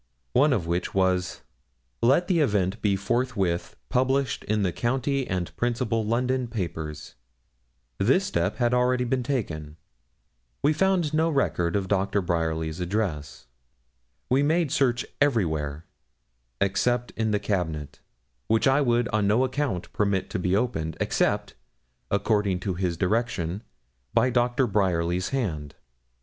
One of which was, 'Let the event be forthwith published in the county and principal London papers.' This step had been already taken. We found no record of Dr. Bryerly's address. We made search everywhere, except in the cabinet, which I would on no account permit to be opened except, according to his direction, by Dr. Bryerly's hand.